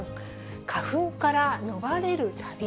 花粉から逃れる旅？